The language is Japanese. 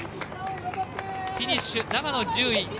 フィニッシュ、長野１０位。